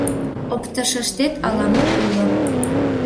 — Оптышыштет ала-мо уло.